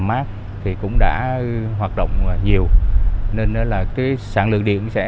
khi mà cái mắt nó mát thì cũng đã hoạt động nhiều nên đó là cái sản lượng điện sẽ tăng